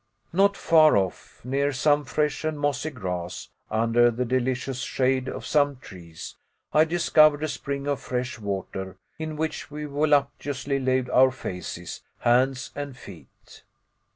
Not far off, near some fresh and mossy grass, under the delicious shade of some trees, I discovered a spring of fresh water, in which we voluptuously laved our faces, hands, and feet.